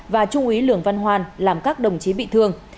và trung úy lường văn hoan làm các đồng chí bị thương